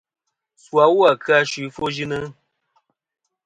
Su awu a kɨ-a ɨ suy ɨfwoyɨnɨ.